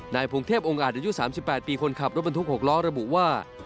นายพรุ่งเทพองค์อาจจะอยู่๓๘ปีคนขับรถบรรทุกหกล้อระบุว่า